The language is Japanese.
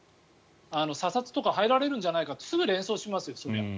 査察とか入られるんじゃないかってすぐに連想しますよ。